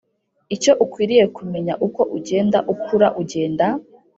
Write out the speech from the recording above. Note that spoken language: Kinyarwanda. Icyo ukwiriye kumenya Uko ugenda ukura ugenda